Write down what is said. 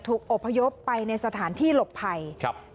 ถูกอพยพไปในสถานที่หลบไพร